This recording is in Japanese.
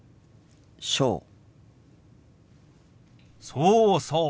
そうそう。